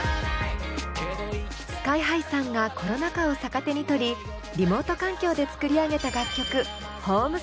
ＳＫＹ−ＨＩさんがコロナ禍を逆手に取りリモート環境で作り上げた楽曲「＃Ｈｏｍｅｓｅｓｓｉｏｎ」。